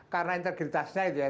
karena integritasnya itu ya